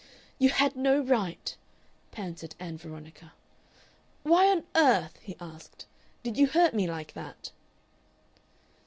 "You had no right " panted Ann Veronica. "Why on earth," he asked, "did you hurt me like that?"